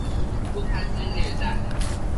不堪之虐待